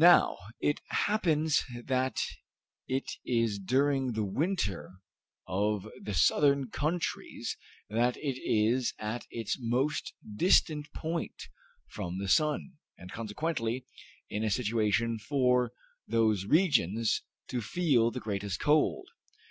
Now it happens that it is during the winter of the southern countries that it is at its most distant point from the sun, and consequently, in a situation for those regions to feel the greatest cold.